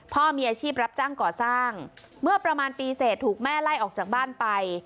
พ่อมีอาชีพรับจ้างก่อสร้างเมื่อประมาณปีเสร็จถูกแม่ไล่ออกจากบ้านไป